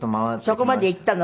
そこまで行ったの？